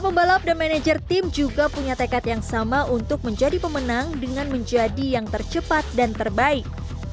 pembalap dan manajer tim juga punya tekad yang sama untuk menjadi pemenang dengan menjadi yang tercepat dan terbaik